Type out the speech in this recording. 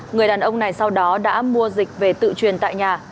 người đàn ông này sau đó đã mua dịch về tự truyền tại nhà